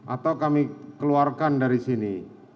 atau kami keluarkan dari sini